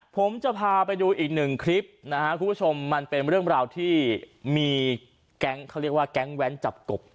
ผมจะพาไปดูอีกหนึ่งคลิปนะครับคุณผู้ชมมันเป็นเรื่องราวที่มีแก๊งเขาเรียกว่าแก๊งแว้นจับกบ